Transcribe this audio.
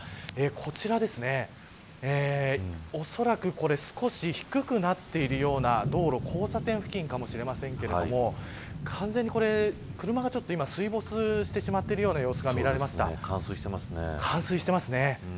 こちら、おそらくこれ少し低くなっているような道路交差点付近かもしれませんが完全に車が今、水没してしまっているような様子が冠水してますね。